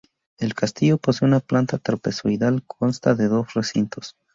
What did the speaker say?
El castillo posee una planta trapezoidal y consta de dos recintos.